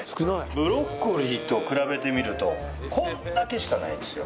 ブロッコリーと比べてみるとこれだけしかないんですよ。